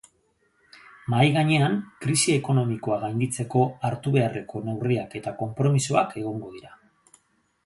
Mahai gainean krisi ekonomikoa gainditzeko hartu beharreko neurriak eta konpromisoak egongo dira.